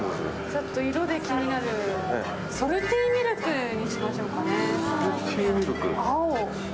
色で気になるソルティーミルクにしましょうか。